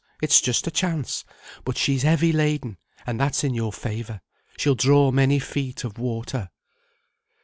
It's just a chance; but she's heavy laden, and that's in your favour. She'll draw many feet of water."